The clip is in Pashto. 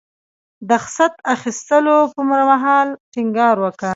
د خصت اخیستلو پر مهال ټینګار وکړ.